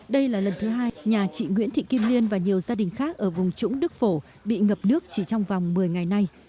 đây là lần thứ hai nhà chị nguyễn thị kim liên và nhiều gia đình khác ở vùng trũng đức phổ bị ngập nước chỉ trong vòng một mươi ngày nay